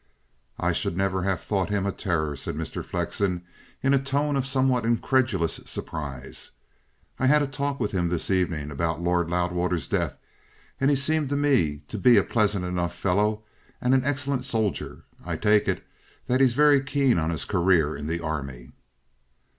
"I should never have thought him a terror," said Mr. Flexen, in a tone of somewhat incredulous surprise. "I had a talk with him this evening about Lord Loudwater's death, and he seemed to me to be a pleasant enough fellow and an excellent soldier. I take it that he's very keen on his career in the Army?"